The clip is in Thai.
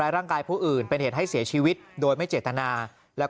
ร่างกายผู้อื่นเป็นเหตุให้เสียชีวิตโดยไม่เจตนาแล้วก็